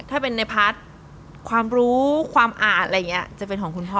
ถ้าเป็นในพาร์ทความรู้ความอาจอะไรอย่างนี้จะเป็นของคุณพ่อ